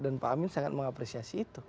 dan pak amin sangat mengapresiasi itu